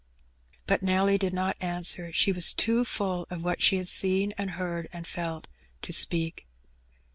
^^ But Nelly did not answer; she was too full of what she had seen, and heard, and felt, to speak.